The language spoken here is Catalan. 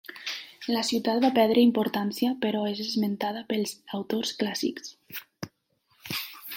La ciutat va perdre importància però és esmentada pels autors clàssics.